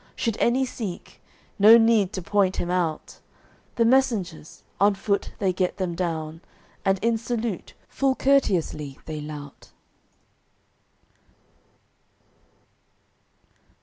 Should any seek, no need to point him out. The messengers, on foot they get them down, And in salute full courteously they lout.